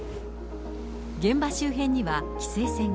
現場周辺には規制線が。